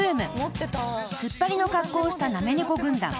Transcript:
［ツッパリの格好をしたなめ猫軍団］